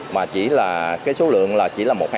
mà chỉ là một hai cái